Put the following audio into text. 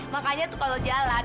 makanya tuh kalau jalan